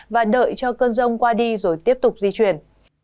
và đợi cho cơn rông qua đi rồi tiếp tục di chuyển